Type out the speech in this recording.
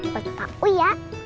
buat pak uya